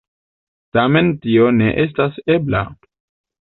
Tamen tio ne estas ebla.